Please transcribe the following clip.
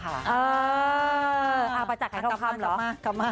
ประจักษ์ให้เข้าข้ามเหรอ